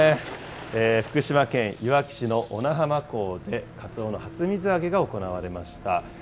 福島県いわき市の小名浜港でカツオの初水揚げが行われました。